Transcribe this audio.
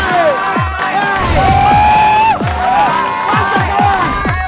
terima kasih add internships